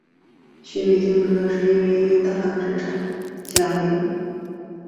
许美静的主要音乐搭档是陈佳明。